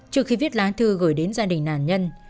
trước khi viết lá thư gửi đến gia đình nạn nhân